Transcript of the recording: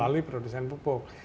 lalu melalui produsen pupuk